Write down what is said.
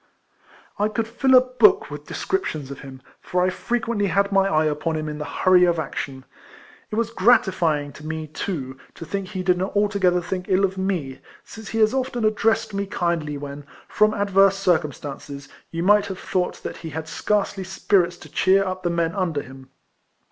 I could fill a book with descriptions of him ; for I frequently had my eye upon him in the hurry of action. It was gratifying to me, too, to think he did not altogether think ill of me, since he has often addressed me kindly when, from adverse circumstances, you might have thought that he Uad scarcely spirits to cheer up the men under him.